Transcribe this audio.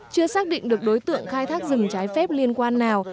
chưa xác định được đối tượng khai thác rừng trái phép liên quan nào